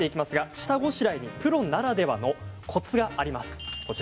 下ごしらえにプロならではのコツがあります。